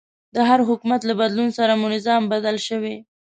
د هر حکومت له بدلون سره مو نظام بدل شوی.